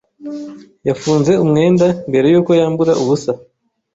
yafunze umwenda mbere yuko yambura ubusa.